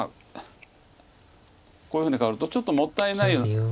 こういうふうにかわるとちょっともったいない。